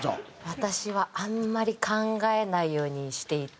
私はあんまり考えないようにしていて。